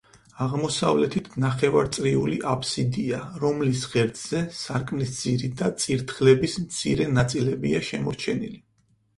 აღმოსავლეთით ნახევარწრიული აბსიდია, რომლის ღერძზე სარკმლის ძირი და წირთხლების მცირე ნაწილებია შემორჩენილი.